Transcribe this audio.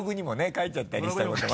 書いちゃったりしたことも